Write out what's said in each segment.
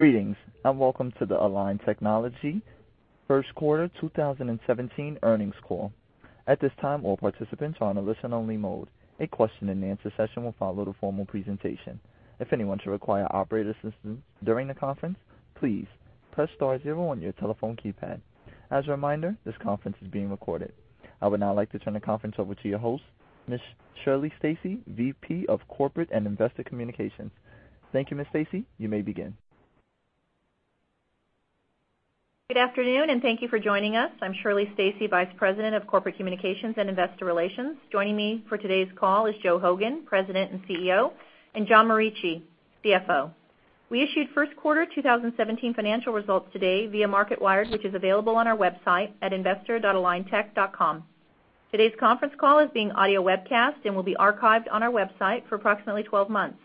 Greetings, and welcome to the Align Technology first quarter 2017 earnings call. At this time, all participants are on a listen-only mode. A question-and-answer session will follow the formal presentation. If anyone should require operator assistance during the conference, please press star zero on your telephone keypad. As a reminder, this conference is being recorded. I would now like to turn the conference over to your host, Ms. Shirley Stacy, VP of Corporate and Investor Communications. Thank you, Ms. Stacy. You may begin. Good afternoon, and thank you for joining us. I'm Shirley Stacy, Vice President of Corporate Communications and Investor Relations. Joining me for today's call is Joe Hogan, President and CEO, and John Morici, CFO. We issued first quarter 2017 financial results today via Marketwired, which is available on our website at investor.aligntech.com. Today's conference call is being audio webcast and will be archived on our website for approximately 12 months.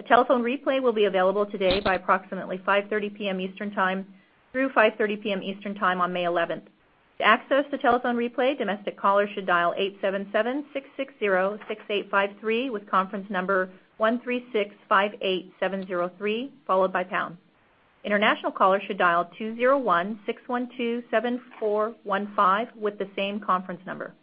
A telephone replay will be available today by approximately 5:30 P.M. Eastern Time through 5:30 P.M. Eastern Time on May 11th. To access the telephone replay, domestic callers should dial 877-660-6853 with conference number 13658703, followed by pound. International callers should dial 201-612-7415 with the same conference number.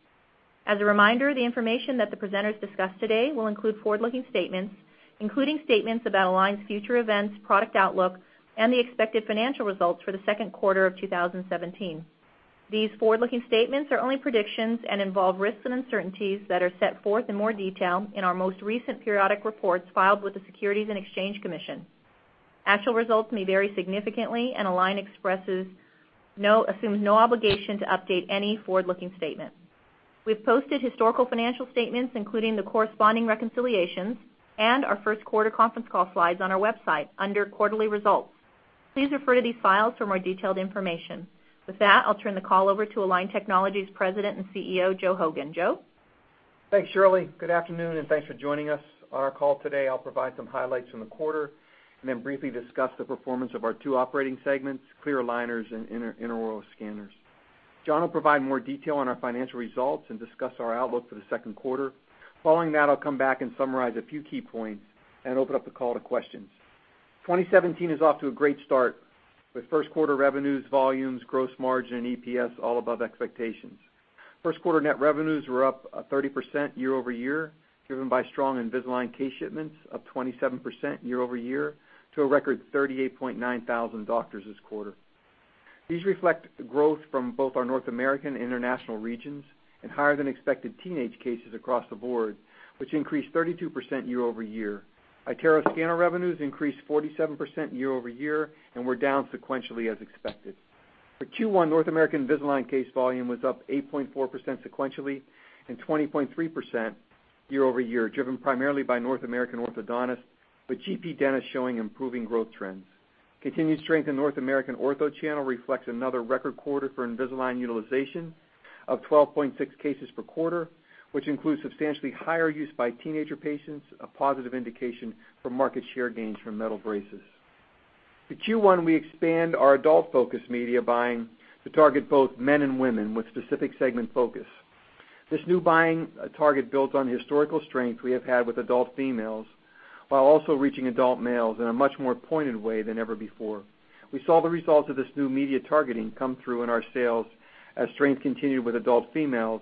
As a reminder, the information that the presenters discuss today will include forward-looking statements, including statements about Align's future events, product outlook, and the expected financial results for the second quarter of 2017. These forward-looking statements are only predictions and involve risks and uncertainties that are set forth in more detail in our most recent periodic reports filed with the Securities and Exchange Commission. Actual results may vary significantly, and Align assumes no obligation to update any forward-looking statement. We've posted historical financial statements, including the corresponding reconciliations and our first quarter conference call slides on our website under quarterly results. Please refer to these files for more detailed information. With that, I'll turn the call over to Align Technology's President and CEO, Joe Hogan. Joe? Thanks, Shirley. Good afternoon, and thanks for joining us on our call today. I'll provide some highlights from the quarter and then briefly discuss the performance of our two operating segments, clear aligners and intraoral scanners. John will provide more detail on our financial results and discuss our outlook for the second quarter. Following that, I'll come back and summarize a few key points and open up the call to questions. 2017 is off to a great start with first quarter revenues, volumes, gross margin, and EPS all above expectations. First quarter net revenues were up 30% year-over-year, driven by strong Invisalign case shipments up 27% year-over-year to a record 38,900 doctors this quarter. These reflect the growth from both our North American and international regions and higher than expected teenage cases across the board, which increased 32% year-over-year. iTero scanner revenues increased 47% year-over-year and were down sequentially as expected. For Q1, North American Invisalign case volume was up 8.4% sequentially and 20.3% year-over-year, driven primarily by North American orthodontists, with GP dentists showing improving growth trends. Continued strength in North American ortho channel reflects another record quarter for Invisalign utilization of 12.6 cases per quarter, which includes substantially higher use by teenager patients, a positive indication for market share gains from metal braces. For Q1, we expand our adult-focused media buying to target both men and women with specific segment focus. This new buying target builds on the historical strength we have had with adult females while also reaching adult males in a much more pointed way than ever before. We saw the results of this new media targeting come through in our sales as strength continued with adult females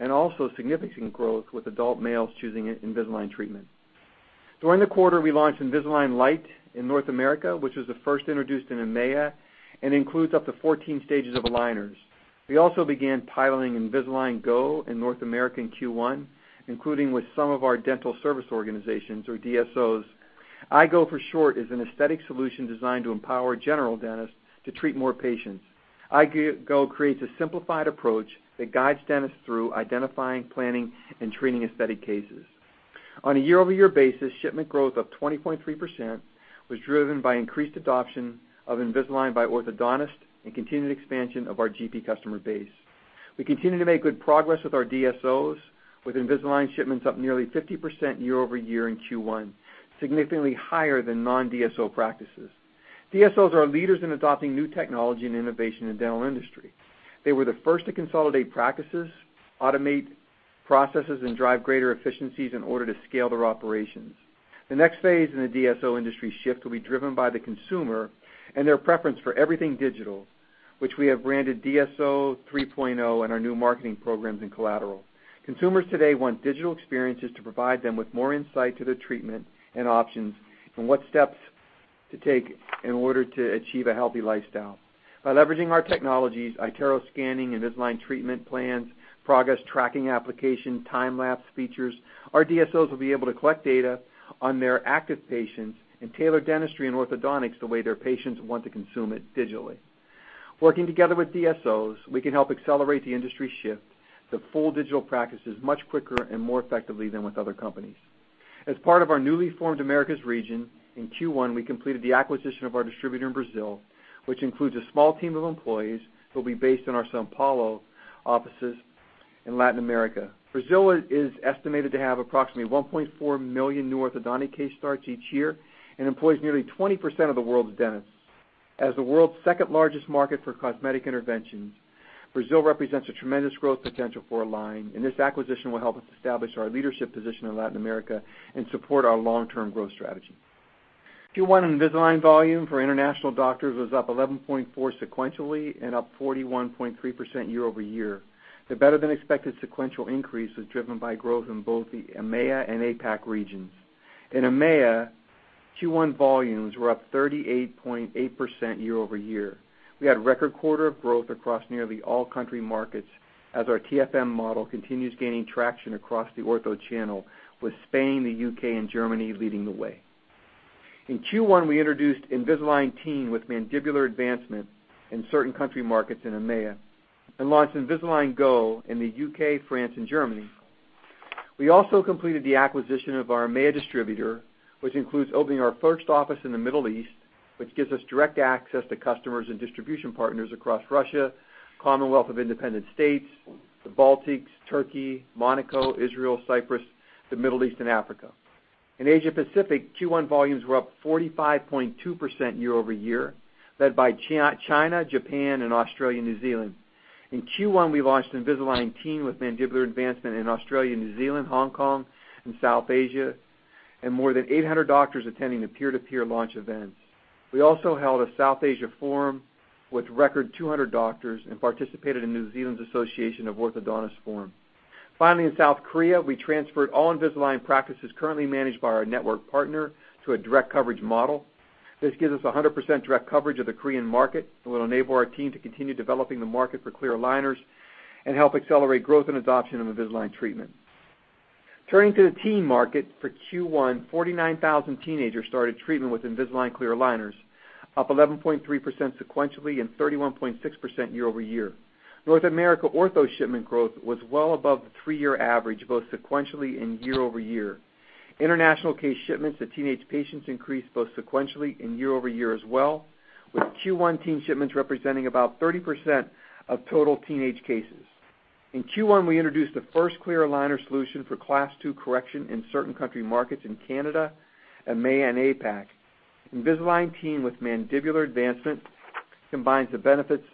and also significant growth with adult males choosing Invisalign treatment. During the quarter, we launched Invisalign Lite in North America, which was first introduced in EMEA and includes up to 14 stages of aligners. We also began piloting Invisalign Go in North America in Q1, including with some of our dental service organizations or DSOs. iGo for short is an aesthetic solution designed to empower general dentists to treat more patients. iGo creates a simplified approach that guides dentists through identifying, planning, and treating aesthetic cases. On a year-over-year basis, shipment growth of 20.3% was driven by increased adoption of Invisalign by orthodontists and continued expansion of our GP customer base. We continue to make good progress with our DSOs with Invisalign shipments up nearly 50% year-over-year in Q1, significantly higher than non-DSO practices. DSOs are our leaders in adopting new technology and innovation in the dental industry. They were the first to consolidate practices, automate processes, and drive greater efficiencies in order to scale their operations. The next phase in the DSO industry shift will be driven by the consumer and their preference for everything digital, which we have branded DSO 3.0 in our new marketing programs and collateral. Consumers today want digital experiences to provide them with more insight to their treatment and options and what steps to take in order to achieve a healthy lifestyle. By leveraging our technologies, iTero scanning, Invisalign treatment plans, progress tracking application, time-lapse features, our DSOs will be able to collect data on their active patients and tailor dentistry and orthodontics the way their patients want to consume it digitally. Working together with DSOs, we can help accelerate the industry shift to full digital practices much quicker and more effectively than with other companies. As part of our newly formed Americas region, in Q1, we completed the acquisition of our distributor in Brazil, which includes a small team of employees who will be based in our São Paulo offices in Latin America. Brazil is estimated to have approximately 1.4 million new orthodontic case starts each year and employs nearly 20% of the world's dentists. As the world's second-largest market for cosmetic interventions, Brazil represents a tremendous growth potential for Align, and this acquisition will help us establish our leadership position in Latin America and support our long-term growth strategy. Q1 Invisalign volume for international doctors was up 11.4% sequentially and up 41.3% year-over-year. The better-than-expected sequential increase was driven by growth in both the EMEA and APAC regions. In EMEA, Q1 volumes were up 38.8% year-over-year. We had a record quarter of growth across nearly all country markets as our TFM model continues gaining traction across the ortho channel, with Spain, the U.K., and Germany leading the way. In Q1, we introduced Invisalign Teen with Mandibular Advancement in certain country markets in EMEA and launched Invisalign Go in the U.K., France, and Germany. We also completed the acquisition of our EMEA distributor, which includes opening our first office in the Middle East, which gives us direct access to customers and distribution partners across Russia, Commonwealth of Independent States, the Baltics, Turkey, Monaco, Israel, Cyprus, the Middle East, and Africa. In Asia Pacific, Q1 volumes were up 45.2% year-over-year, led by China, Japan, and Australia, New Zealand. In Q1, we launched Invisalign Teen with Mandibular Advancement in Australia, New Zealand, Hong Kong, and South Asia, and more than 800 doctors attending the peer-to-peer launch events. We also held a South Asia forum with record 200 doctors and participated in New Zealand's Association of Orthodontists forum. Finally, in South Korea, we transferred all Invisalign practices currently managed by our network partner to a direct coverage model. This gives us 100% direct coverage of the Korean market and will enable our team to continue developing the market for clear aligners and help accelerate growth and adoption of Invisalign treatment. Turning to the teen market, for Q1, 49,000 teenagers started treatment with Invisalign clear aligners, up 11.3% sequentially and 31.6% year-over-year. North America ortho shipment growth was well above the three-year average, both sequentially and year-over-year. International case shipments to teenage patients increased both sequentially and year-over-year as well, with Q1 teen shipments representing about 30% of total teenage cases. In Q1, we introduced the first clear aligner solution for Class II correction in certain country markets in Canada, EMEA, and APAC. Invisalign Teen with Mandibular Advancement combines the benefits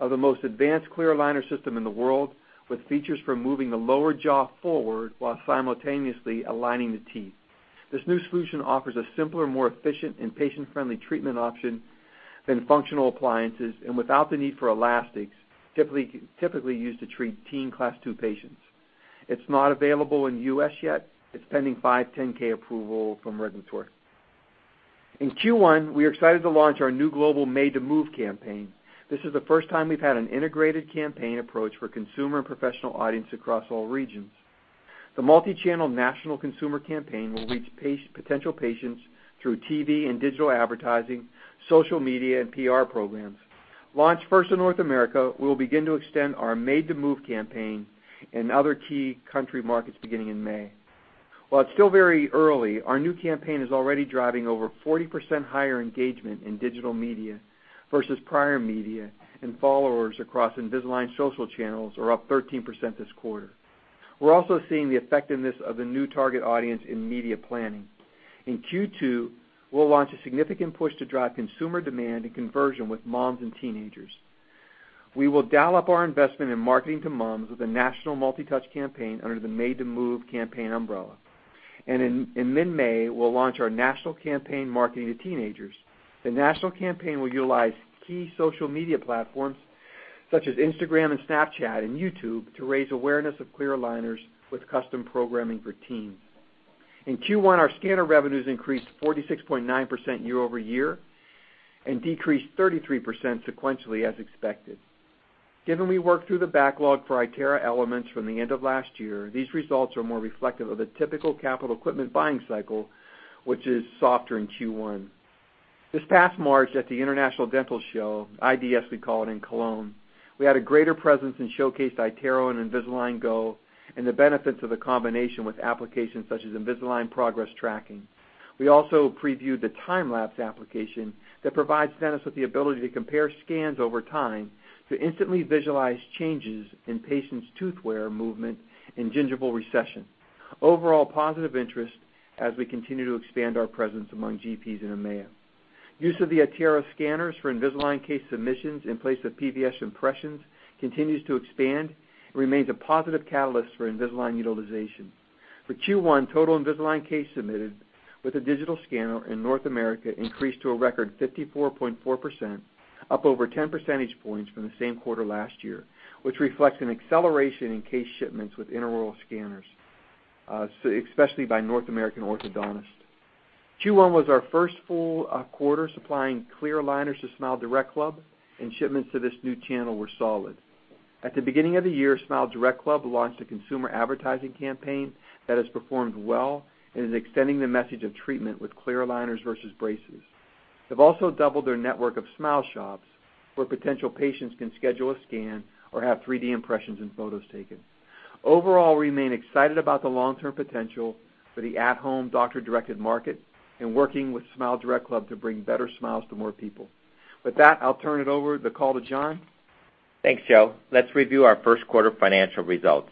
of the most advanced clear aligner system in the world with features for moving the lower jaw forward while simultaneously aligning the teeth. This new solution offers a simpler, more efficient, and patient-friendly treatment option than functional appliances and without the need for elastics typically used to treat teen Class II patients. It's not available in the U.S. yet. It's pending 510 approval from regulatory. In Q1, we are excited to launch our new global Made to Move campaign. This is the first time we've had an integrated campaign approach for consumer and professional audience across all regions. The multi-channel national consumer campaign will reach potential patients through TV and digital advertising, social media, and PR programs. Launched first in North America, we will begin to extend our Made to Move campaign in other key country markets beginning in May. While it is still very early, our new campaign is already driving over 40% higher engagement in digital media versus prior media, and followers across Invisalign social channels are up 13% this quarter. We are also seeing the effectiveness of the new target audience in media planning. In Q2, we will launch a significant push to drive consumer demand and conversion with moms and teenagers. We will dial up our investment in marketing to moms with a national multi-touch campaign under the Made to Move campaign umbrella. In mid-May, we will launch our national campaign marketing to teenagers. The national campaign will utilize key social media platforms such as Instagram, Snapchat, and YouTube to raise awareness of clear aligners with custom programming for teens. In Q1, our scanner revenues increased 46.9% year-over-year and decreased 33% sequentially as expected. Given we worked through the backlog for iTero Element from the end of last year, these results are more reflective of a typical capital equipment buying cycle, which is softer in Q1. This past March at the International Dental Show, IDS we call it, in Cologne, we had a greater presence and showcased iTero and Invisalign Go and the benefits of the combination with applications such as Invisalign progress tracking. We also previewed the time-lapse application that provides dentists with the ability to compare scans over time to instantly visualize changes in patients' tooth wear, movement, and gingival recession. Overall positive interest as we continue to expand our presence among GPs in EMEA. Use of the iTero scanners for Invisalign case submissions in place of PVS impressions continues to expand and remains a positive catalyst for Invisalign utilization. For Q1, total Invisalign cases submitted with a digital scanner in North America increased to a record 54.4%, up over 10 percentage points from the same quarter last year, which reflects an acceleration in case shipments with intraoral scanners, especially by North American orthodontists. Q1 was our first full quarter supplying clear aligners to SmileDirectClub. Shipments to this new channel were solid. At the beginning of the year, SmileDirectClub launched a consumer advertising campaign that has performed well and is extending the message of treatment with clear aligners versus braces. They have also doubled their network of SmileShops, where potential patients can schedule a scan or have 3D impressions and photos taken. Overall, we remain excited about the long-term potential for the at-home doctor-directed market and working with SmileDirectClub to bring better smiles to more people. With that, I will turn the call over to John. Thanks, Joe. Let us review our first quarter financial results.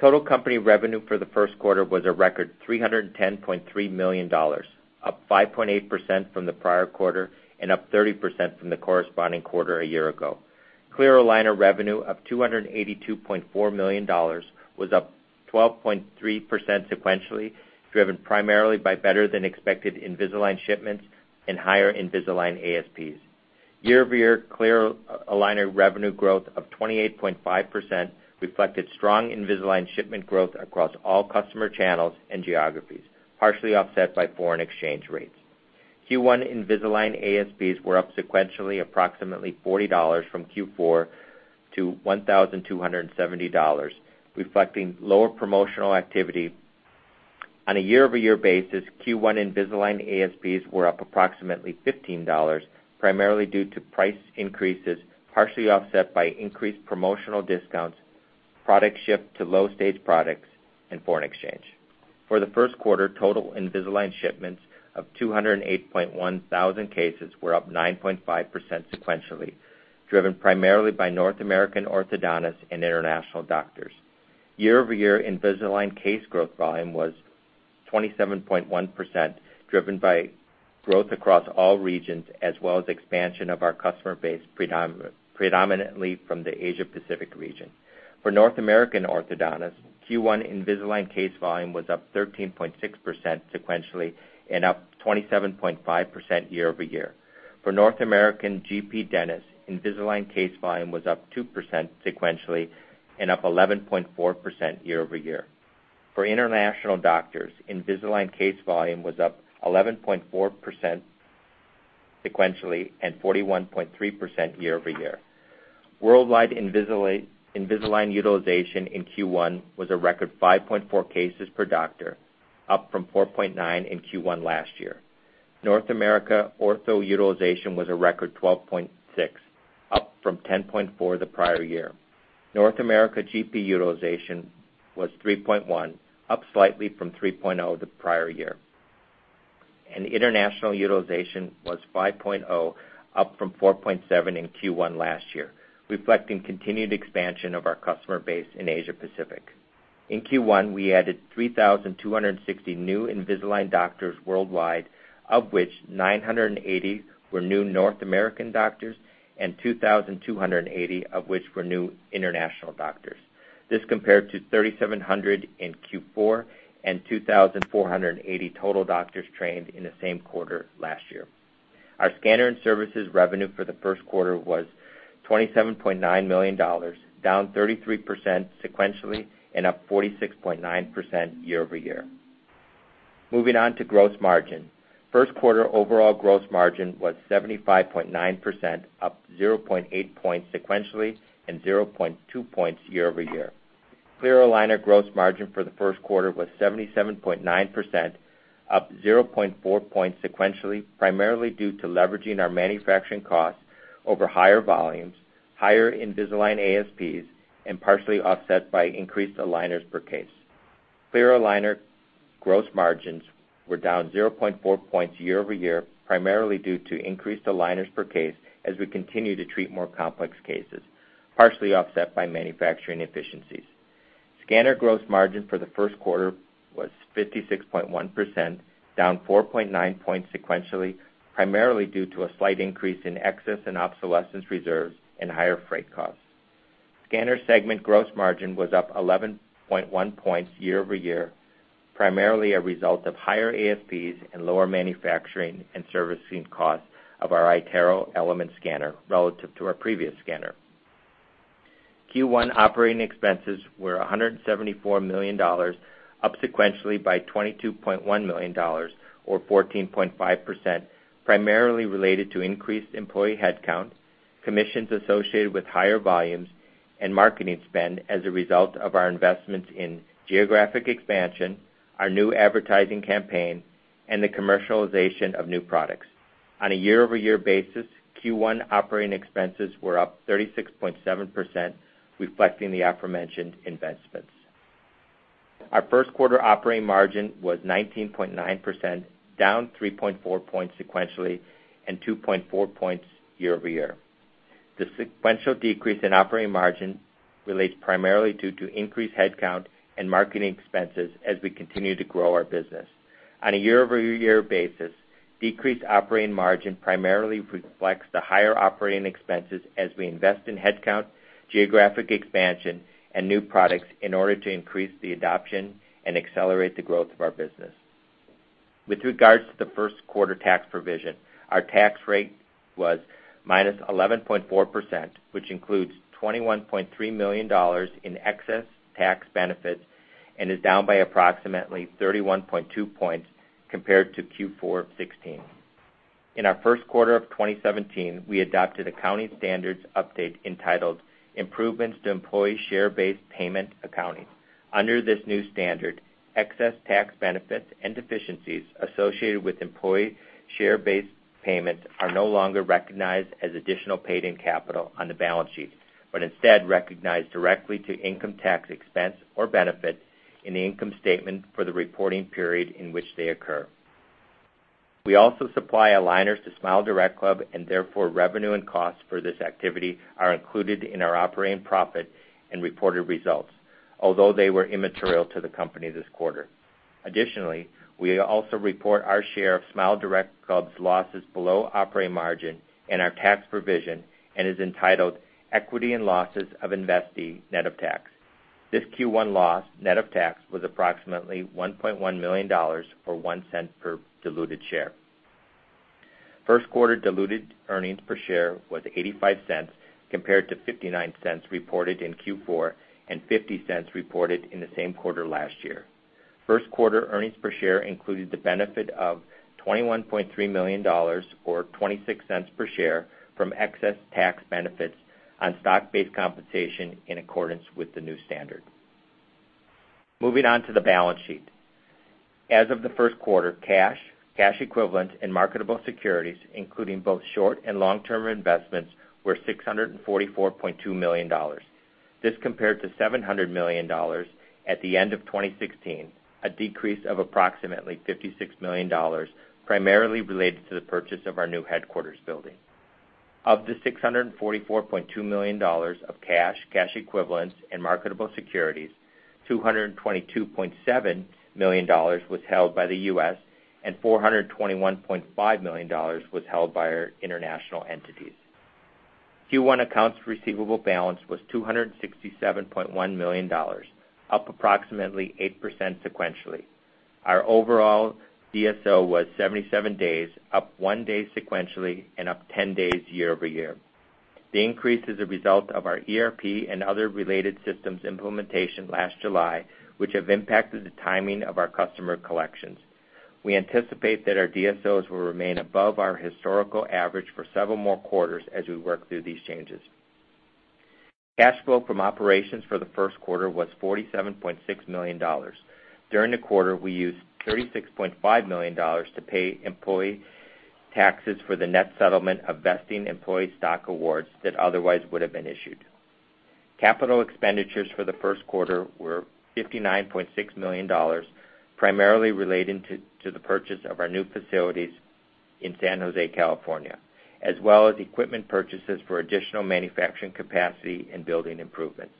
Total company revenue for the first quarter was a record $310.3 million, up 5.8% from the prior quarter and up 30% from the corresponding quarter a year-ago. Clear aligner revenue of $282.4 million was up 12.3% sequentially, driven primarily by better than expected Invisalign shipments and higher Invisalign ASPs. Year-over-year clear aligner revenue growth of 28.5% reflected strong Invisalign shipment growth across all customer channels and geographies, partially offset by foreign exchange rates. Q1 Invisalign ASPs were up sequentially approximately $40 from Q4 to $1,270, reflecting lower promotional activity. On a year-over-year basis, Q1 Invisalign ASPs were up approximately $15, primarily due to price increases, partially offset by increased promotional discounts, product shift to low-stage products, and foreign exchange. For the first quarter, total Invisalign shipments of 208,100 cases were up 9.5% sequentially, driven primarily by North American orthodontists and international doctors. Year-over-year Invisalign case growth volume was 27.1%, driven by growth across all regions, as well as expansion of our customer base predominantly from the Asia-Pacific region. For North American orthodontists, Q1 Invisalign case volume was up 13.6% sequentially and up 27.5% year-over-year. For North American GP dentists, Invisalign case volume was up 2% sequentially and up 11.4% year-over-year. For international doctors, Invisalign case volume was up 11.4% sequentially and 41.3% year-over-year. Worldwide Invisalign utilization in Q1 was a record 5.4 cases per doctor, up from 4.9 in Q1 last year. North America ortho utilization was a record 12.6, up from 10.4 the prior year. North America GP utilization was 3.1, up slightly from 3.0 the prior year. International utilization was 5.0, up from 4.7 in Q1 last year, reflecting continued expansion of our customer base in Asia-Pacific. In Q1, we added 3,260 new Invisalign doctors worldwide, of which 980 were new North American doctors and 2,280 of which were new international doctors. This compared to 3,700 in Q4 and 2,480 total doctors trained in the same quarter last year. Our scanner and services revenue for the first quarter was $27.9 million, down 33% sequentially and up 46.9% year-over-year. Moving on to gross margin. First quarter overall gross margin was 75.9%, up 0.8 points sequentially and 0.2 points year-over-year. Clear aligner gross margin for the first quarter was 77.9%, up 0.4 points sequentially, primarily due to leveraging our manufacturing costs over higher volumes, higher Invisalign ASPs, and partially offset by increased aligners per case. Clear aligner gross margins were down 0.4 points year-over-year, primarily due to increased aligners per case, as we continue to treat more complex cases, partially offset by manufacturing efficiencies. Scanner gross margin for the first quarter was 56.1%, down 4.9 points sequentially, primarily due to a slight increase in excess and obsolescence reserves and higher freight costs. Scanner segment gross margin was up 11.1 points year-over-year, primarily a result of higher ASPs and lower manufacturing and servicing costs of our iTero Element scanner relative to our previous scanner. Q1 operating expenses were $174 million, up sequentially by $22.1 million, or 14.5%, primarily related to increased employee headcount, commissions associated with higher volumes, and marketing spend as a result of our investments in geographic expansion, our new advertising campaign, and the commercialization of new products. On a year-over-year basis, Q1 operating expenses were up 36.7%, reflecting the aforementioned investments. Our first quarter operating margin was 19.9%, down 3.4 points sequentially and 2.4 points year-over-year. The sequential decrease in operating margin relates primarily due to increased headcount and marketing expenses as we continue to grow our business. On a year-over-year basis, decreased operating margin primarily reflects the higher operating expenses as we invest in headcount, geographic expansion, and new products in order to increase the adoption and accelerate the growth of our business. With regards to the first quarter tax provision, our tax rate was minus 11.4%, which includes $21.3 million in excess tax benefits and is down by approximately 31.2 points compared to Q4 of 2016. In our first quarter of 2017, we adopted accounting standards update entitled Improvements to Employee Share-Based Payment Accounting. Under this new standard, excess tax benefits and deficiencies associated with employee share-based payments are no longer recognized as additional paid-in capital on the balance sheet, but instead recognized directly to income tax expense or benefit in the income statement for the reporting period in which they occur. We also supply aligners to SmileDirectClub, and therefore revenue and costs for this activity are included in our operating profit and reported results, although they were immaterial to the company this quarter. Additionally, we also report our share of SmileDirectClub's losses below operating margin in our tax provision and is entitled Equity in losses of investee, net of tax. This Q1 loss net of tax was approximately $1.1 million, or $0.01 per diluted share. First quarter diluted earnings per share was $0.85 compared to $0.59 reported in Q4 and $0.50 reported in the same quarter last year. First quarter earnings per share included the benefit of $21.3 million, or $0.26 per share from excess tax benefits on stock-based compensation in accordance with the new standard. Moving on to the balance sheet. As of the first quarter, cash equivalents, and marketable securities, including both short and long-term investments, were $644.2 million. This compared to $700 million at the end of 2016, a decrease of approximately $56 million, primarily related to the purchase of our new headquarters building. Of the $644.2 million of cash equivalents, and marketable securities, $222.7 million was held by the U.S., and $421.5 million was held by our international entities. Q1 accounts receivable balance was $267.1 million, up approximately 8% sequentially. Our overall DSO was 77 days, up one day sequentially and up 10 days year-over-year. The increase is a result of our ERP and other related systems implementation last July, which have impacted the timing of our customer collections. We anticipate that our DSOs will remain above our historical average for several more quarters as we work through these changes. Cash flow from operations for the first quarter was $47.6 million. During the quarter, we used $36.5 million to pay employee taxes for the net settlement of vesting employee stock awards that otherwise would have been issued. Capital expenditures for the first quarter were $59.6 million, primarily relating to the purchase of our new facilities in San Jose, California, as well as equipment purchases for additional manufacturing capacity and building improvements.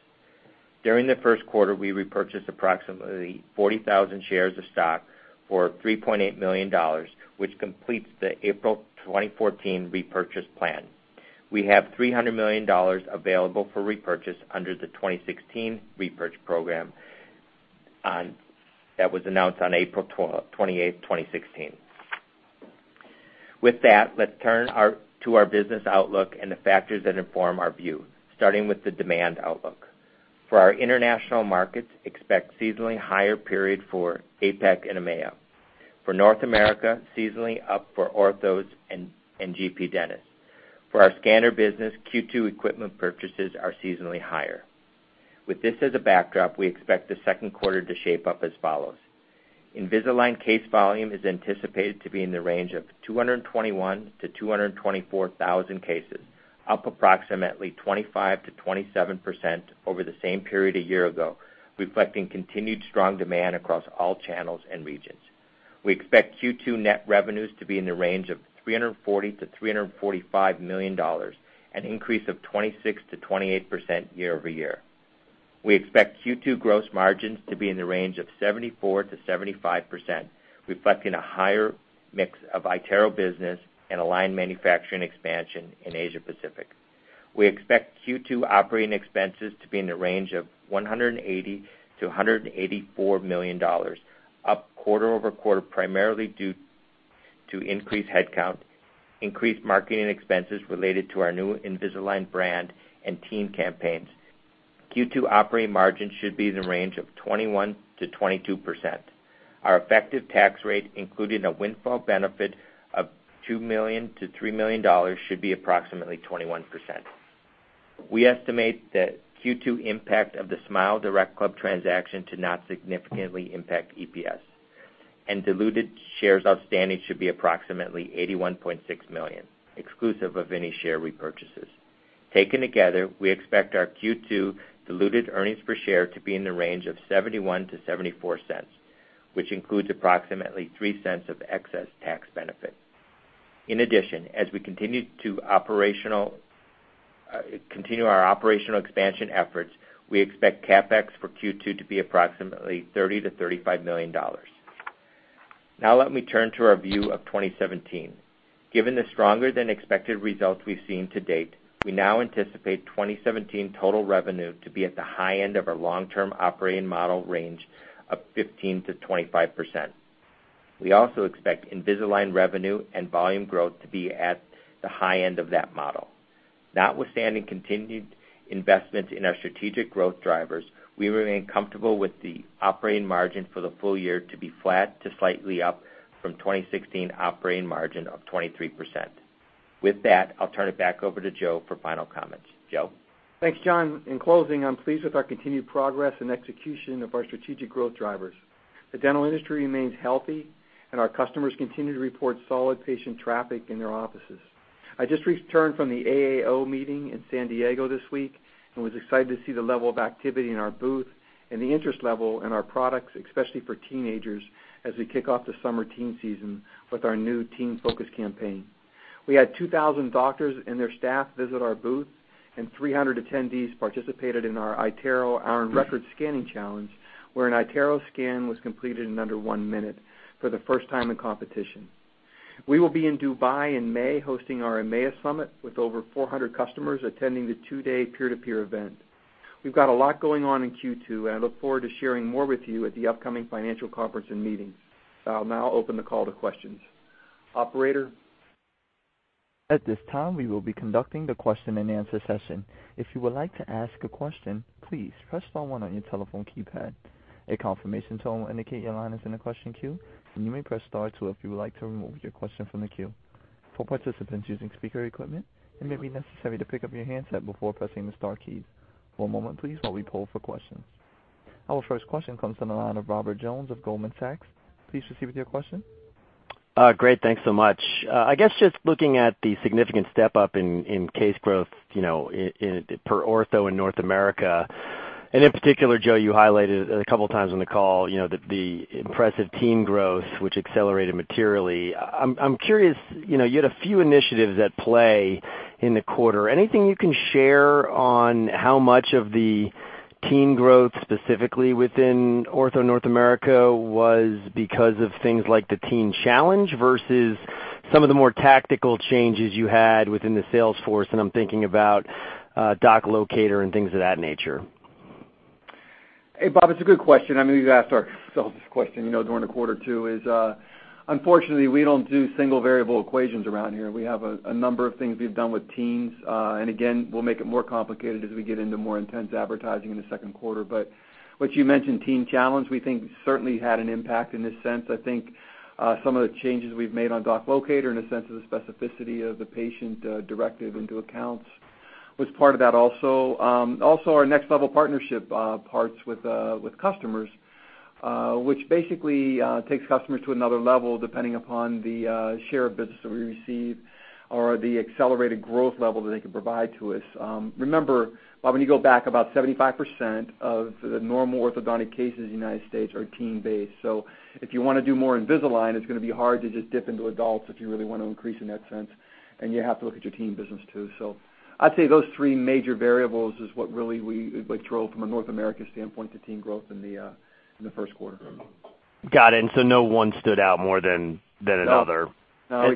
During the first quarter, we repurchased approximately 40,000 shares of stock for $3.8 million, which completes the April 2014 repurchase plan. We have $300 million available for repurchase under the 2016 repurchase program that was announced on April 28th, 2016. With that, let's turn to our business outlook and the factors that inform our view, starting with the demand outlook. For our international markets, expect seasonally higher period for APAC and EMEA. For North America, seasonally up for orthos and GP dentists. For our scanner business, Q2 equipment purchases are seasonally higher. With this as a backdrop, we expect the second quarter to shape up as follows. Invisalign case volume is anticipated to be in the range of 221,000 to 224,000 cases, up approximately 25%-27% over the same period a year ago, reflecting continued strong demand across all channels and regions. We expect Q2 net revenues to be in the range of $340 to $345 million, an increase of 26%-28% year-over-year. We expect Q2 gross margins to be in the range of 74%-75%, reflecting a higher mix of iTero business and Align manufacturing expansion in Asia-Pacific. We expect Q2 operating expenses to be in the range of $180 million-$184 million, up quarter-over-quarter primarily due to increased headcount, increased marketing expenses related to our new Invisalign brand, and teen campaigns. Q2 operating margin should be in the range of 21%-22%. Our effective tax rate, including a windfall benefit of $2 million-$3 million, should be approximately 21%. We estimate that Q2 impact of the SmileDirectClub transaction to not significantly impact EPS, and diluted shares outstanding should be approximately 81.6 million, exclusive of any share repurchases. Taken together, we expect our Q2 diluted earnings per share to be in the range of $0.71-$0.74, which includes approximately $0.03 of excess tax benefit. In addition, as we continue our operational expansion efforts, we expect CapEx for Q2 to be approximately $30 million-$35 million. Let me turn to our view of 2017. Given the stronger than expected results we've seen to date, we now anticipate 2017 total revenue to be at the high end of our long-term operating model range of 15%-25%. We also expect Invisalign revenue and volume growth to be at the high end of that model. Notwithstanding continued investments in our strategic growth drivers, we remain comfortable with the operating margin for the full year to be flat to slightly up from 2016 operating margin of 23%. With that, I'll turn it back over to Joe for final comments. Joe? Thanks, John. In closing, I'm pleased with our continued progress and execution of our strategic growth drivers. The dental industry remains healthy, and our customers continue to report solid patient traffic in their offices. I just returned from the AAO meeting in San Diego this week and was excited to see the level of activity in our booth and the interest level in our products, especially for teenagers, as we kick off the summer teen season with our new teen focus campaign. We had 2,000 doctors and their staff visit our booth, and 300 attendees participated in our iTero on-record scanning challenge, where an iTero scan was completed in under one minute for the first time in competition. We will be in Dubai in May, hosting our EMEA summit with over 400 customers attending the two-day peer-to-peer event. We've got a lot going on in Q2. I look forward to sharing more with you at the upcoming financial conference and meeting. I'll now open the call to questions. Operator? At this time, we will be conducting the question-and-answer session. If you would like to ask a question, please press star one on your telephone keypad. A confirmation tone will indicate your line is in the question queue, and you may press star two if you would like to remove your question from the queue. For participants using speaker equipment, it may be necessary to pick up your handset before pressing the star keys. One moment please while we poll for questions. Our first question comes from the line of Robert Jones of Goldman Sachs. Please proceed with your question. Great. Thanks so much. I guess just looking at the significant step-up in case growth per ortho in North America, in particular, Joe, you highlighted a couple of times on the call, the impressive teen growth which accelerated materially. I'm curious, you had a few initiatives at play in the quarter. Anything you can share on how much of the teen growth, specifically within ortho North America, was because of things like the teen challenge versus some of the more tactical changes you had within the sales force? I'm thinking about Doc Locator and things of that nature. Hey, Bob, it's a good question. We've asked ourselves this question during the quarter, too. Unfortunately, we don't do single variable equations around here. We have a number of things we've done with teens. Again, we'll make it more complicated as we get into more intense advertising in the second quarter. What you mentioned, teen challenge, we think certainly had an impact in this sense. I think some of the changes we've made on Doc Locator and the sense of the specificity of the patient directive into accounts was part of that also. Also, our next level partnership parts with customers, which basically takes customers to another level depending upon the share of business that we receive or the accelerated growth level that they can provide to us. Remember, Bob, when you go back, about 75% of the normal orthodontic cases in the U.S. are teen-based. If you want to do more Invisalign, it's going to be hard to just dip into adults if you really want to increase in that sense, you have to look at your teen business, too. I'd say those three major variables is what really we drove from a North America standpoint to teen growth in the first quarter. Got it. No one stood out more than another. No.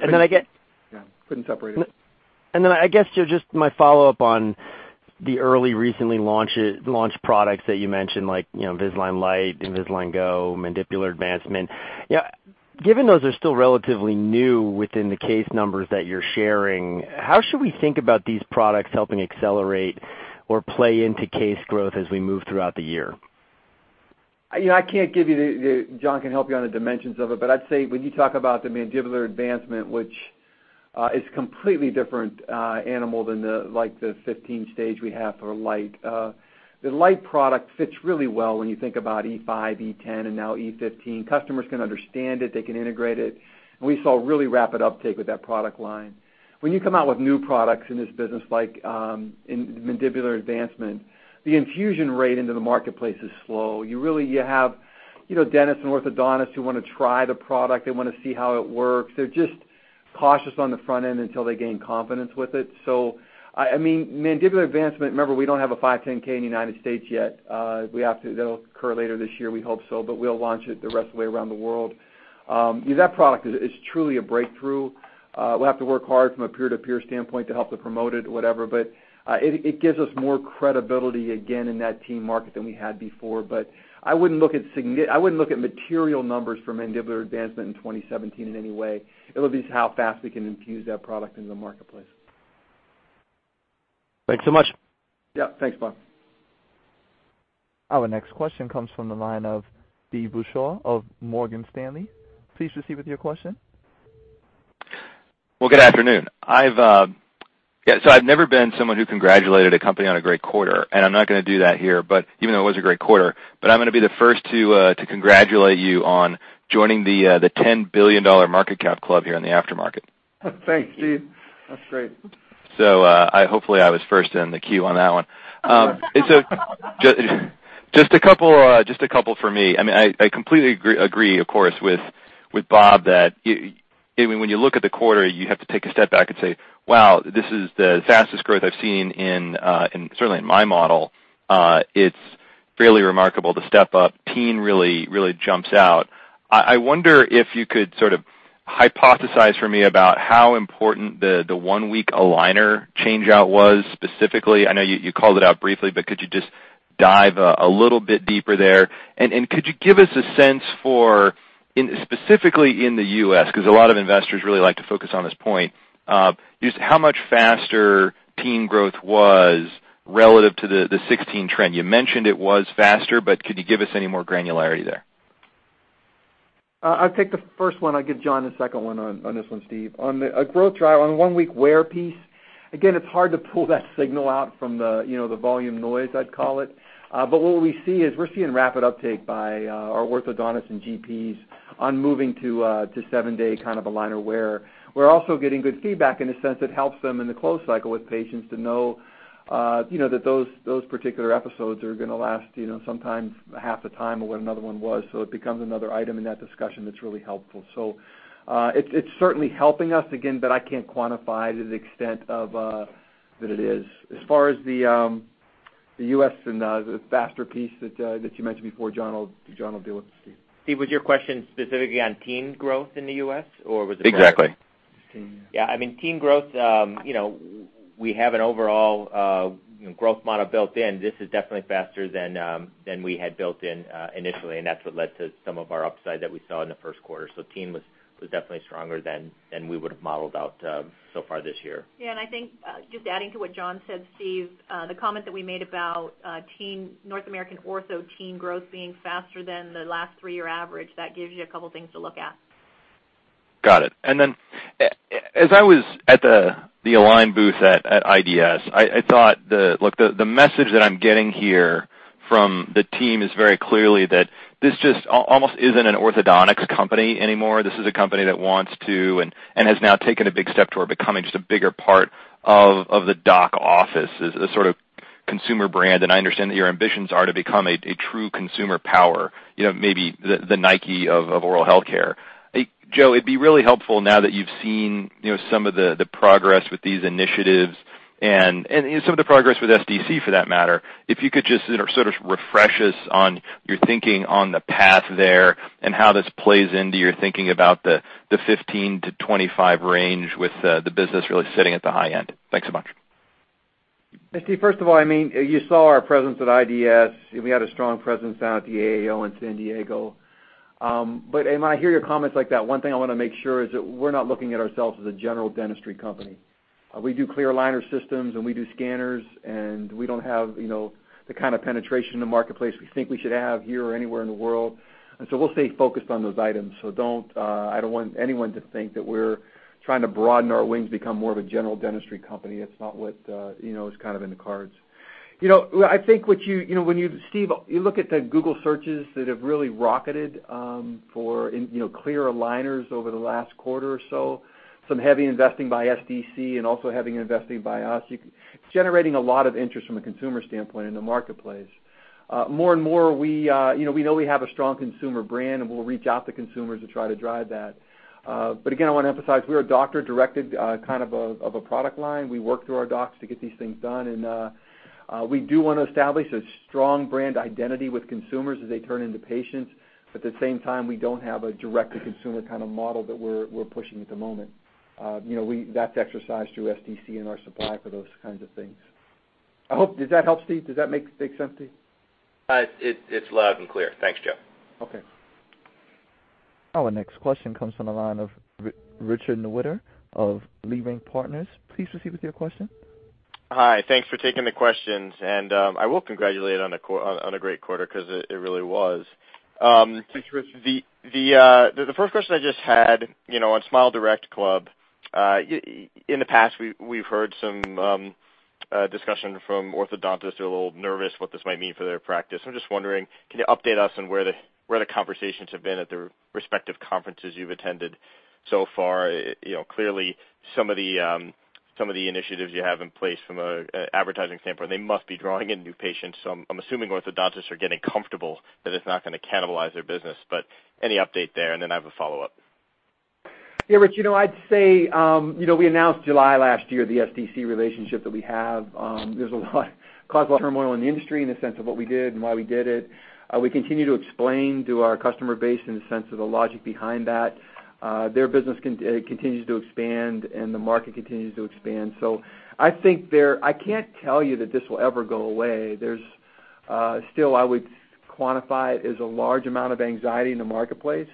Couldn't separate it. I guess, Joe, just my follow-up on the early recently launched products that you mentioned, like Invisalign Lite, Invisalign Go, mandibular advancement. Given those are still relatively new within the case numbers that you're sharing, how should we think about these products helping accelerate or play into case growth as we move throughout the year? John can help you on the dimensions of it, but I'd say when you talk about the mandibular advancement, which is a completely different animal than the 15 stage we have for Lite. The Lite product fits really well when you think about E5, E10, and now E15. Customers can understand it, they can integrate it, and we saw a really rapid uptake with that product line. When you come out with new products in this business, like in mandibular advancement, the infusion rate into the marketplace is slow. You have dentists and orthodontists who want to try the product. They want to see how it works. They're just cautious on the front end until they gain confidence with it. Mandibular advancement, remember, we don't have a 510 in the United States yet. That'll occur later this year, we hope so, but we'll launch it the rest of the way around the world. That product is truly a breakthrough. We'll have to work hard from a peer-to-peer standpoint to help to promote it, whatever, but it gives us more credibility, again, in that teen market than we had before. I wouldn't look at material numbers for mandibular advancement in 2017 in any way. It'll be how fast we can infuse that product into the marketplace. Thanks so much. Yeah. Thanks, Bob. Our next question comes from the line of Steve Beuchaw of Morgan Stanley. Please proceed with your question. Good afternoon. I've never been someone who congratulated a company on a great quarter, and I'm not going to do that here, even though it was a great quarter, but I'm going to be the first to congratulate you on joining the $10 billion market cap club here in the aftermarket. Thanks, Steve. That's great. Hopefully I was first in the queue on that one. Just a couple for me. I completely agree, of course, with Bob that when you look at the quarter, you have to take a step back and say, "Wow, this is the fastest growth I've seen certainly in my model." It's fairly remarkable to step up. Teen really jumps out. I wonder if you could sort of hypothesize for me about how important the one-week aligner change-out was specifically. I know you called it out briefly, but could you just dive a little bit deeper there? And could you give us a sense for, specifically in the U.S., because a lot of investors really like to focus on this point, just how much faster Teen growth was relative to the 2016 trend? You mentioned it was faster, but could you give us any more granularity there? I'll take the first one. I'll give John the second one on this one, Steve. On growth trial, on one-week wear piece. Again, it's hard to pull that signal out from the volume noise, I'd call it. What we see is we're seeing rapid uptake by our orthodontists and GPs on moving to seven-day kind of aligner wear. We're also getting good feedback in the sense it helps them in the close cycle with patients to know that those particular episodes are going to last sometimes half the time of what another one was. It becomes another item in that discussion that's really helpful. It's certainly helping us, again, but I can't quantify it to the extent of that it is. As far as the U.S. and the faster piece that you mentioned before, John will deal with Steve. Steve, was your question specifically on teen growth in the U.S., or was it- Exactly. Yeah. Teen growth, we have an overall growth model built in. This is definitely faster than we had built in initially, and that's what led to some of our upside that we saw in the first quarter. Teen was definitely stronger than we would've modeled out so far this year. Yeah, I think, just adding to what John said, Steve, the comment that we made about North American ortho teen growth being faster than the last three-year average, that gives you a couple things to look at. Got it. Then as I was at the Align booth at IDS, I thought, "Look, the message that I'm getting here from the team is very clearly that this just almost isn't an orthodontics company anymore. This is a company that wants to and has now taken a big step toward becoming just a bigger part of the doc office as a sort of consumer brand." I understand that your ambitions are to become a true consumer power, maybe the Nike of oral healthcare. Joe, it'd be really helpful now that you've seen some of the progress with these initiatives and some of the progress with SDC, for that matter, if you could just sort of refresh us on your thinking on the path there and how this plays into your thinking about the 15-25 range with the business really sitting at the high end. Thanks so much. Steve, first of all, you saw our presence at IDS. We had a strong presence down at the AAO in San Diego. When I hear your comments like that, one thing I want to make sure is that we're not looking at ourselves as a general dentistry company. We do clear aligner systems, and we do scanners, and we don't have the kind of penetration in the marketplace we think we should have here or anywhere in the world. We'll stay focused on those items. I don't want anyone to think that we're trying to broaden our wings to become more of a general dentistry company. It's not what is in the cards. I think when, Steve, you look at the Google searches that have really rocketed for clear aligners over the last quarter or so, some heavy investing by SDC and also heavy investing by us, it's generating a lot of interest from a consumer standpoint in the marketplace. More and more, we know we have a strong consumer brand, and we'll reach out to consumers to try to drive that. Again, I want to emphasize we're a doctor-directed kind of a product line. We work through our docs to get these things done, and we do want to establish a strong brand identity with consumers as they turn into patients. At the same time, we don't have a direct-to-consumer kind of model that we're pushing at the moment. That's exercised through SDC and our supply for those kinds of things. I hope, does that help, Steve? Does that make sense, Steve? It's loud and clear. Thanks, Joe. Okay. Our next question comes from the line of Richard Newitter of Leerink Partners. Please proceed with your question. Hi. Thanks for taking the questions, I will congratulate on a great quarter because it really was. Thanks, Richard. The first question I just had on SmileDirectClub. In the past, we've heard some discussion from orthodontists who are a little nervous what this might mean for their practice. I'm just wondering, can you update us on where the conversations have been at the respective conferences you've attended so far? Clearly, some of the initiatives you have in place from an advertising standpoint, they must be drawing in new patients. I'm assuming orthodontists are getting comfortable that it's not going to cannibalize their business, but any update there? I have a follow-up. Yeah, Rich, I'd say, we announced July last year the SDC relationship that we have. There was a lot causal turmoil in the industry in the sense of what we did and why we did it. We continue to explain to our customer base in the sense of the logic behind that. Their business continues to expand, and the market continues to expand. I think there, I can't tell you that this will ever go away. There's still, I would quantify it, is a large amount of anxiety in the marketplace.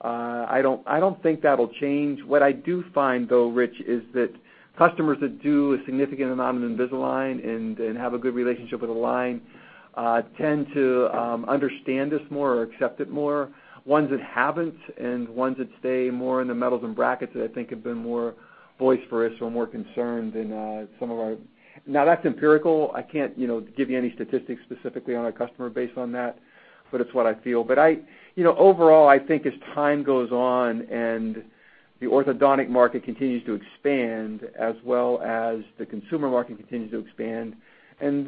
I don't think that'll change. What I do find, though, Rich, is that customers that do a significant amount of Invisalign and have a good relationship with Align, tend to understand us more or accept it more. Ones that haven't and ones that stay more in the metals and brackets that I think have been more boisterous or more concerned than. Now, that's empirical. I can't give you any statistics specifically on our customer base on that, but it's what I feel. Overall, I think as time goes on and the orthodontic market continues to expand as well as the consumer market continues to expand, and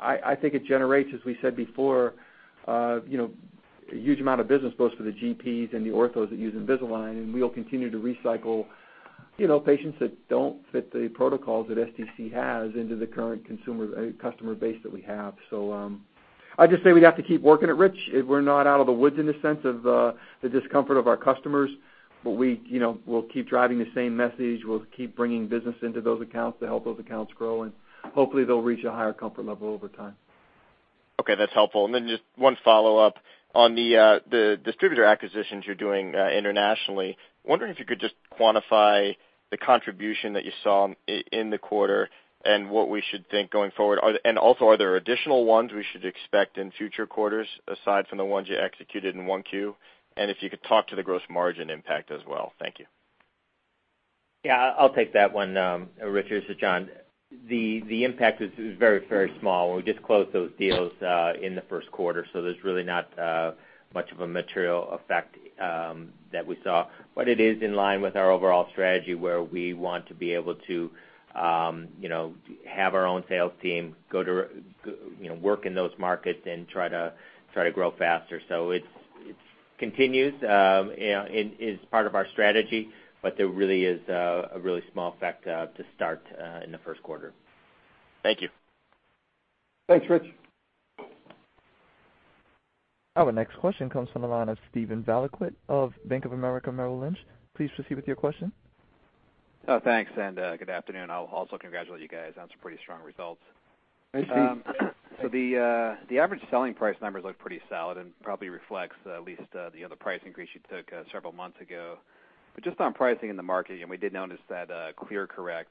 I think it generates, as we said before, a huge amount of business both for the GPs and the orthos that use Invisalign, and we'll continue to recycle patients that don't fit the protocols that SDC has into the current customer base that we have. I'd just say we'd have to keep working it, Rich. We're not out of the woods in the sense of the discomfort of our customers, we'll keep driving the same message. We'll keep bringing business into those accounts to help those accounts grow, hopefully, they'll reach a higher comfort level over time. Okay, that's helpful. Just one follow-up on the distributor acquisitions you're doing internationally. Wondering if you could just quantify the contribution that you saw in the quarter, what we should think going forward. Are there additional ones we should expect in future quarters aside from the ones you executed in 1Q? If you could talk to the gross margin impact as well. Thank you. Yeah, I'll take that one, Richard. This is John. The impact is very small. We just closed those deals in the first quarter, so there's really not much of a material effect that we saw. It is in line with our overall strategy, where we want to be able to have our own sales team work in those markets and try to grow faster. It continues, and is part of our strategy, but there really is a really small effect to start in the first quarter. Thank you. Thanks, Rich. Our next question comes from the line of Steven Valiquette of Bank of America Merrill Lynch. Please proceed with your question. Thanks, good afternoon. I'll also congratulate you guys on some pretty strong results. Thanks, Steve. The average selling price numbers look pretty solid and probably reflects at least the other price increase you took several months ago. Just on pricing in the market, we did notice that ClearCorrect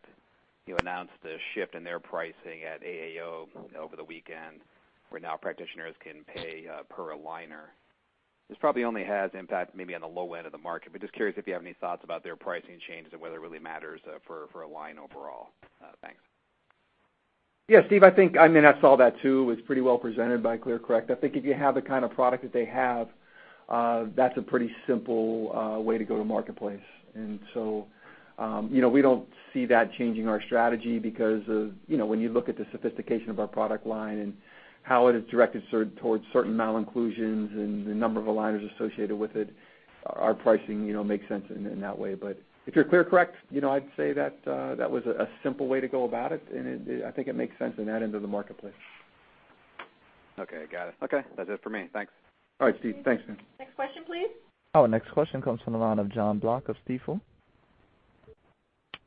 announced a shift in their pricing at AAO over the weekend, where now practitioners can pay per aligner. This probably only has impact maybe on the low end of the market, but just curious if you have any thoughts about their pricing changes and whether it really matters for Align overall. Thanks. Steve, I saw that too. It was pretty well presented by ClearCorrect. I think if you have the kind of product that they have, that's a pretty simple way to go to marketplace. We don't see that changing our strategy because when you look at the sophistication of our product line and how it is directed towards certain malocclusions and the number of aligners associated with it, our pricing makes sense in that way. If you're ClearCorrect, I'd say that was a simple way to go about it, and I think it makes sense in that end of the marketplace. Okay, got it. Okay. That's it for me. Thanks. All right, Steve. Thanks. Next question, please. Our next question comes from the line of Jonathan Block of Stifel.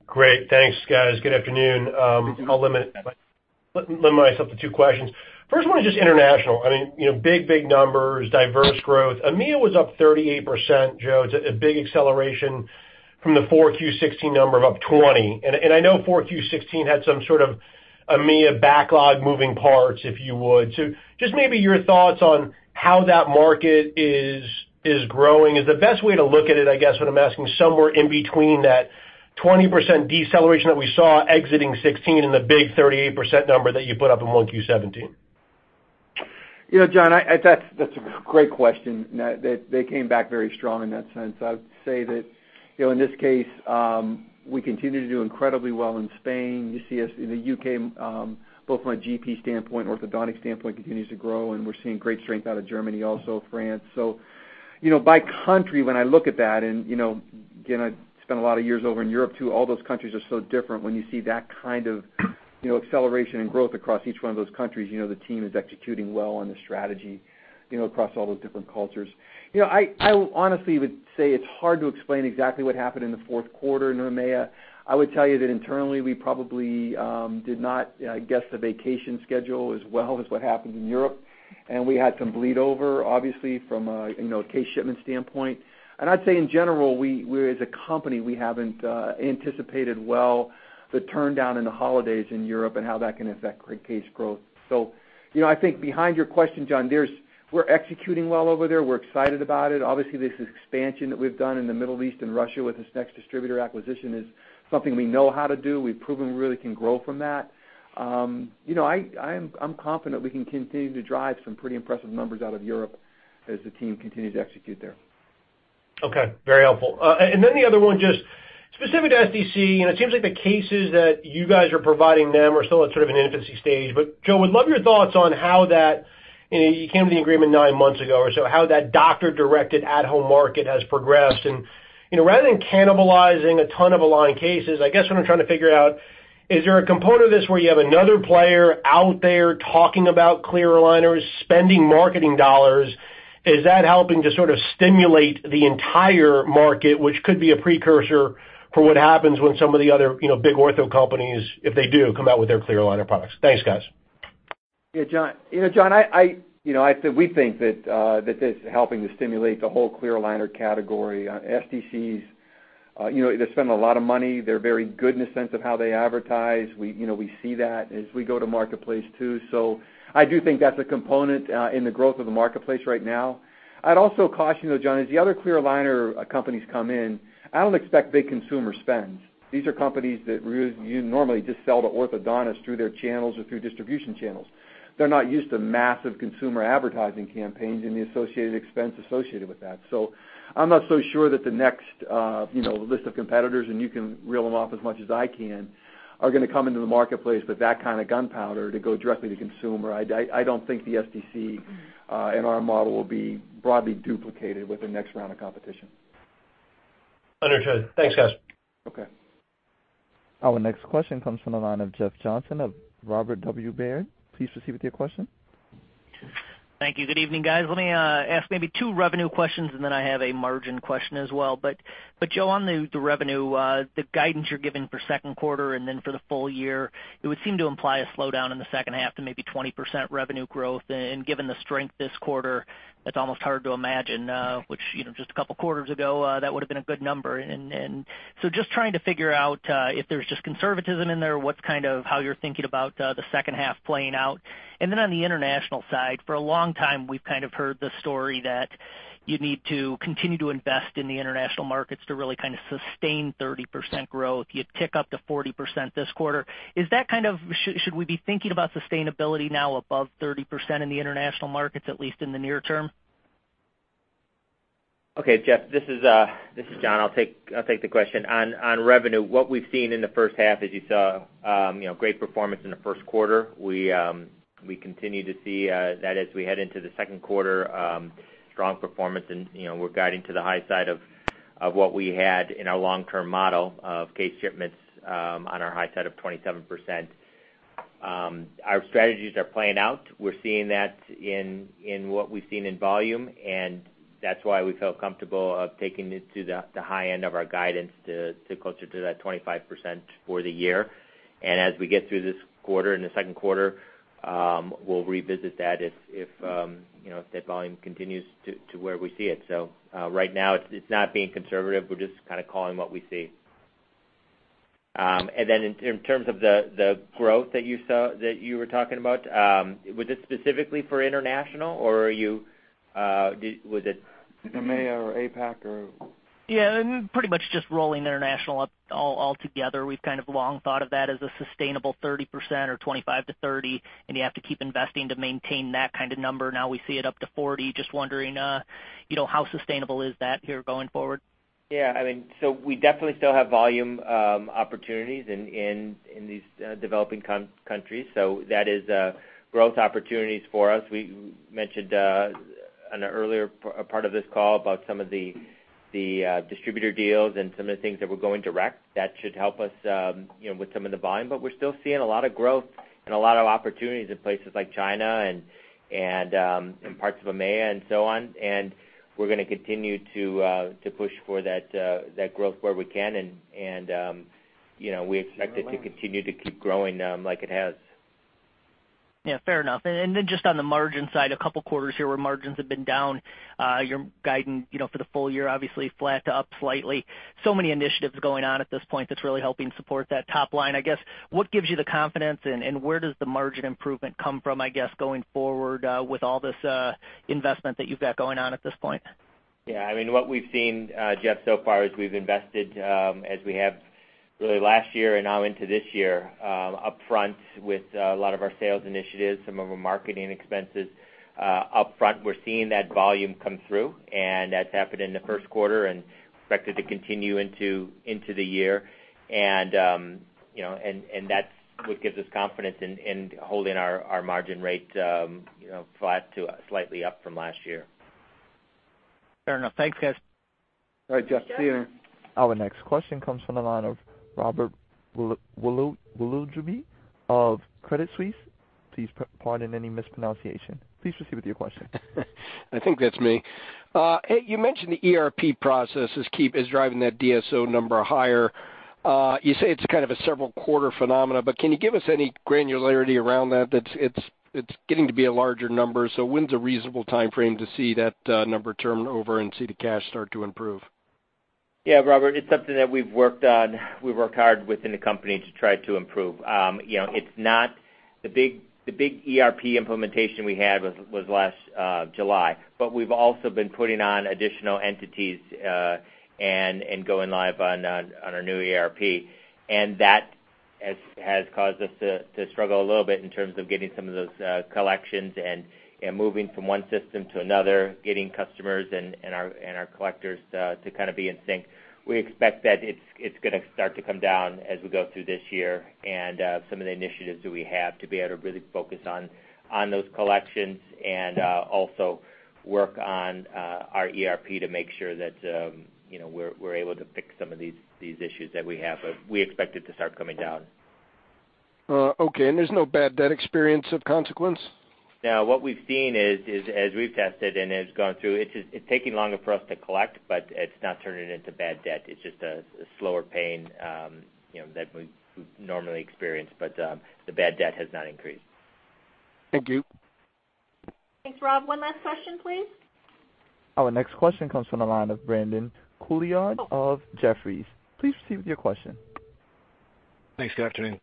Great. Thanks, guys. Good afternoon. I'll limit myself to two questions. First one is just international. Big numbers, diverse growth. EMEA was up 38%, Joe. It's a big acceleration from the fourth Q 2016 number of up 20%. I know fourth Q 2016 had some sort of EMEA backlog moving parts, if you would. Just maybe your thoughts on how that market is growing. Is the best way to look at it, I guess what I'm asking, somewhere in between that 20% deceleration that we saw exiting 2016 and the big 38% number that you put up in 1Q 2017? John, that's a great question. They came back very strong in that sense. I would say that, in this case, we continue to do incredibly well in Spain. You see us in the U.K., both from a GP standpoint, orthodontic standpoint, continues to grow, and we're seeing great strength out of Germany also, France. By country, when I look at that, and again, I spent a lot of years over in Europe too, all those countries are so different. When you see that kind of acceleration and growth across each one of those countries, the team is executing well on the strategy across all those different cultures. I honestly would say it's hard to explain exactly what happened in the fourth quarter in EMEA. I would tell you that internally, we probably did not guess the vacation schedule as well as what happened in Europe. We had some bleed over, obviously, from a case shipment standpoint. I'd say in general, we as a company, we haven't anticipated well the turn down in the holidays in Europe and how that can affect case growth. I think behind your question, John, we're executing well over there. We're excited about it. Obviously, this expansion that we've done in the Middle East and Russia with this next distributor acquisition is something we know how to do. We've proven we really can grow from that. I'm confident we can continue to drive some pretty impressive numbers out of Europe as the team continues to execute there. Okay. Very helpful. The other one, just specific to SDC, it seems like the cases that you guys are providing them are still at sort of an infancy stage. Joe, would love your thoughts on how that, you came to the agreement nine months ago or so, how that doctor-directed at-home market has progressed. Rather than cannibalizing a ton of Align cases, I guess what I'm trying to figure out, is there a component of this where you have another player out there talking about clear aligners, spending marketing dollars? Is that helping to sort of stimulate the entire market, which could be a precursor for what happens when some of the other big ortho companies, if they do, come out with their clear aligner products? Thanks, guys. John, we think that this is helping to stimulate the whole clear aligner category. SDC, they spend a lot of money. They're very good in the sense of how they advertise. We see that as we go to marketplace, too. I do think that's a component in the growth of the marketplace right now. I'd also caution, though, John, as the other clear aligner companies come in, I don't expect big consumer spends. These are companies that you normally just sell to orthodontists through their channels or through distribution channels. They're not used to massive consumer advertising campaigns and the associated expense associated with that. I'm not so sure that the next list of competitors, and you can reel them off as much as I can, are going to come into the marketplace with that kind of gunpowder to go directly to consumer. I don't think the SDC and our model will be broadly duplicated with the next round of competition. Understood. Thanks, guys. Okay. Our next question comes from the line of Jeff Johnson of Robert W. Baird. Please proceed with your question. Thank you. Good evening, guys. Let me ask maybe two revenue questions. I have a margin question as well. Joe, on the revenue, the guidance you're giving for second quarter and for the full year, it would seem to imply a slowdown in the second half to maybe 20% revenue growth. Given the strength this quarter, that's almost hard to imagine. Which, just a couple of quarters ago, that would've been a good number. Just trying to figure out if there's just conservatism in there, how you're thinking about the second half playing out. On the international side. For a long time, we've kind of heard the story that you need to continue to invest in the international markets to really sustain 30% growth. You tick up to 40% this quarter. Should we be thinking about sustainability now above 30% in the international markets, at least in the near term? Okay, Jeff, this is John. I'll take the question. On revenue, what we've seen in the first half is you saw great performance in the first quarter. We continue to see that as we head into the second quarter, strong performance. We're guiding to the high side of what we had in our long-term model of case shipments on our high side of 27%. Our strategies are playing out. We're seeing that in what we've seen in volume. That's why we felt comfortable of taking it to the high end of our guidance to closer to that 25% for the year. As we get through this quarter, in the second quarter, we'll revisit that if that volume continues to where we see it. Right now, it's not being conservative. We're just kind of calling what we see. In terms of the growth that you were talking about, was this specifically for international, or EMEA or APAC or? Pretty much just rolling international up all together. We've kind of long thought of that as a sustainable 30% or 25%-30%, and you have to keep investing to maintain that kind of number. Now we see it up to 40%. Just wondering, how sustainable is that here going forward? We definitely still have volume opportunities in these developing countries. That is growth opportunities for us. We mentioned on an earlier part of this call about some of the distributor deals and some of the things that we're going direct. That should help us with some of the volume. We're still seeing a lot of growth and a lot of opportunities in places like China and parts of EMEA and so on. We're going to continue to push for that growth where we can, and we expect it to continue to keep growing like it has. Yeah, fair enough. Just on the margin side, a couple of quarters here where margins have been down. You're guiding for the full year, obviously flat to up slightly. Many initiatives going on at this point that's really helping support that top line. I guess, what gives you the confidence, and where does the margin improvement come from, I guess, going forward with all this investment that you've got going on at this point? Yeah. What we've seen, Jeff, so far is we've invested, as we have really last year and now into this year, upfront with a lot of our sales initiatives, some of our marketing expenses upfront. We're seeing that volume come through, and that's happened in the first quarter and expected to continue into the year. That's what gives us confidence in holding our margin rate flat to slightly up from last year. Fair enough. Thanks, guys. All right, Jeff. See you. Our next question comes from the line of Robert Willoughby of Credit Suisse. Please pardon any mispronunciation. Please proceed with your question. I think that's me. Hey, you mentioned the ERP processes keep is driving that DSO number higher. You say it's kind of a several quarter phenomena, Can you give us any granularity around that? It's getting to be a larger number, When's a reasonable timeframe to see that number turn over and see the cash start to improve? Yeah, Robert, it's something that we've worked on. We've worked hard within the company to try to improve. The big ERP implementation we had was last July, We've also been putting on additional entities and going live on our new ERP. That has caused us to struggle a little bit in terms of getting some of those collections and moving from one system to another, getting customers and our collectors to kind of be in sync. We expect that it's going to start to come down as we go through this year and some of the initiatives that we have to be able to really focus on those collections and also work on our ERP to make sure that we're able to fix some of these issues that we have. We expect it to start coming down. Okay, There's no bad debt experience of consequence? No, what we've seen is, as we've tested and as gone through, it's taking longer for us to collect, but it's not turning into bad debt. It's just a slower paying than we've normally experienced. The bad debt has not increased. Thank you. Thanks, Rob. One last question, please. Our next question comes from the line of Brandon Couillard of Jefferies. Please proceed with your question. Thanks. Good afternoon.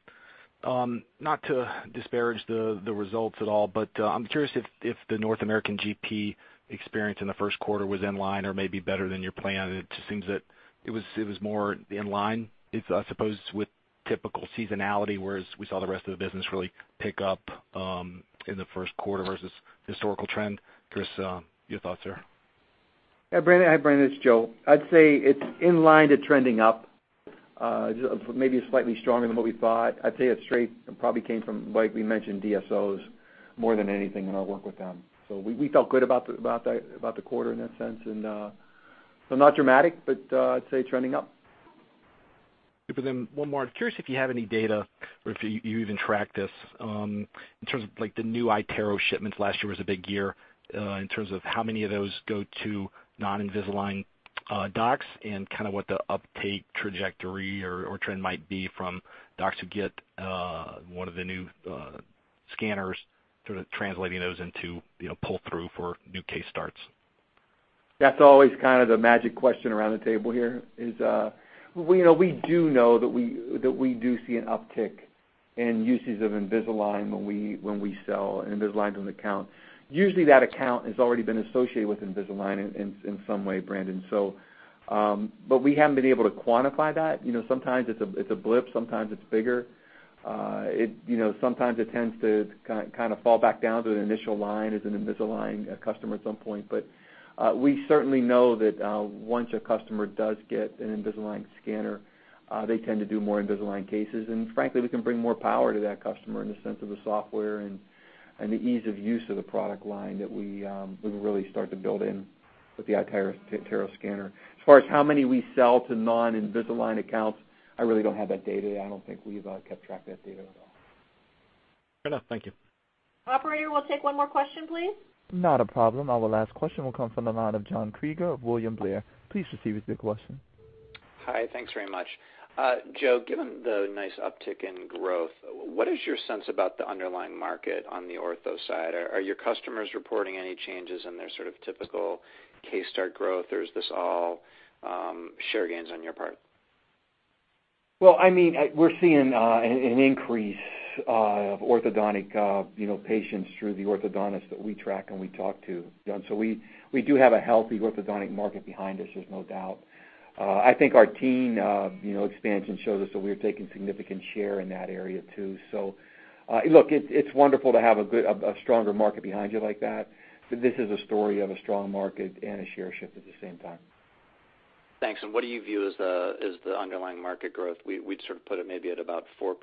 Not to disparage the results at all, but I'm curious if the North American GP experience in the first quarter was in line or maybe better than your plan. It just seems that it was more in line, I suppose, with typical seasonality, whereas we saw the rest of the business really pick up in the first quarter versus historical trend. Chris, your thoughts there? Yeah, Brandon. Hi, Brandon. It's Joe. I'd say it's in line to trending up. Maybe slightly stronger than what we thought. I'd say it straight probably came from, like we mentioned, DSOs more than anything in our work with them. We felt good about the quarter in that sense. Not dramatic, but I'd say trending up. One more. I'm curious if you have any data or if you even track this, in terms of the new iTero shipments, last year was a big year, in terms of how many of those go to non-Invisalign docs and what the uptake trajectory or trend might be from docs who get one of the new scanners, translating those into pull-through for new case starts. That's always kind of the magic question around the table here. We do know that we do see an uptick in uses of Invisalign when we sell Invisalign to an account. Usually, that account has already been associated with Invisalign in some way, Brandon. We haven't been able to quantify that. Sometimes it's a blip, sometimes it's bigger. Sometimes it tends to kind of fall back down to the initial line as an Invisalign customer at some point. We certainly know that once a customer does get an Invisalign scanner, they tend to do more Invisalign cases. Frankly, we can bring more power to that customer in the sense of the software and the ease of use of the product line that we really start to build in with the iTero scanner. As far as how many we sell to non-Invisalign accounts, I really don't have that data. I don't think we've kept track of that data at all. Fair enough. Thank you. Operator, we will take one more question, please. Not a problem. Our last question will come from the line of John Kreger of William Blair. Please proceed with your question. Hi. Thanks very much. Joe, given the nice uptick in growth, what is your sense about the underlying market on the ortho side? Are your customers reporting any changes in their sort of typical case start growth, or is this all share gains on your part? Well, we're seeing an increase of orthodontic patients through the orthodontists that we track and we talk to, John. We do have a healthy orthodontic market behind us, there's no doubt. I think our teen expansion shows us that we are taking significant share in that area, too. Look, it's wonderful to have a stronger market behind you like that, but this is a story of a strong market and a share shift at the same time. Thanks. What do you view as the underlying market growth? We'd sort of put it maybe at about 4%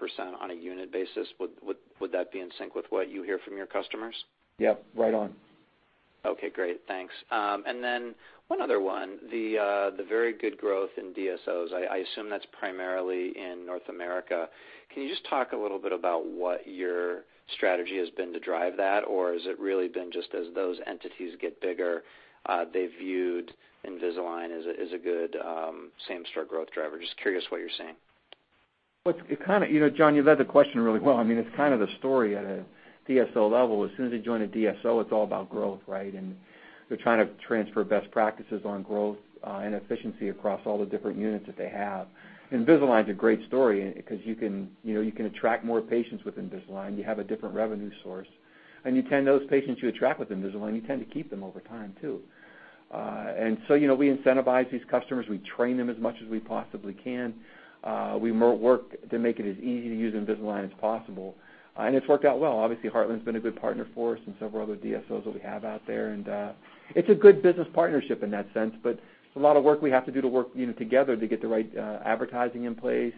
on a unit basis. Would that be in sync with what you hear from your customers? Yep, right on. Okay, great. Thanks. One other one, the very good growth in DSOs, I assume that's primarily in North America. Can you just talk a little bit about what your strategy has been to drive that? Or has it really been just as those entities get bigger, they viewed Invisalign as a good same-store growth driver? Just curious what you're seeing. John, you led the question really well. It's kind of the story at a DSO level. As soon as you join a DSO, it's all about growth, right? They're trying to transfer best practices on growth and efficiency across all the different units that they have. Invisalign's a great story because you can attract more patients with Invisalign. You have a different revenue source, and those patients you attract with Invisalign, you tend to keep them over time, too. We incentivize these customers. We train them as much as we possibly can. We work to make it as easy to use Invisalign as possible, and it's worked out well. Obviously, Heartland Dental's been a good partner for us and several other DSOs that we have out there. It's a good business partnership in that sense. It's a lot of work we have to do to work together to get the right advertising in place,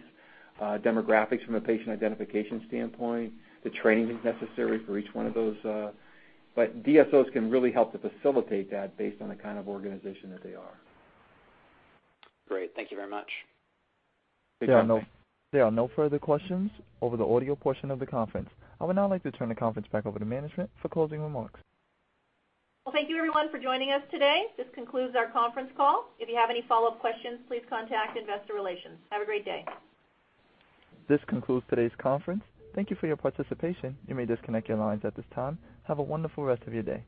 demographics from a patient identification standpoint, the training that's necessary for each one of those. DSOs can really help to facilitate that based on the kind of organization that they are. Great. Thank you very much. No problem. There are no further questions over the audio portion of the conference. I would now like to turn the conference back over to management for closing remarks. Well, thank you everyone for joining us today. This concludes our conference call. If you have any follow-up questions, please contact investor relations. Have a great day. This concludes today's conference. Thank you for your participation. You may disconnect your lines at this time. Have a wonderful rest of your day.